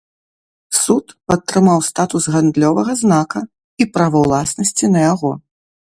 Суд падтрымаў статус гандлёвага знака і права ўласнасці на яго.